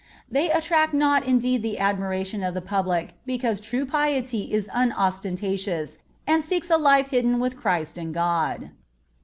They attract not indeed the admiration of the public, because true piety is unostentatious and seeks a "life hidden with Christ in God."